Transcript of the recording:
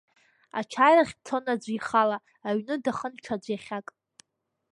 Ачарахь дцон аӡәы ихала, аҩны дахын ҽаӡә иахьак.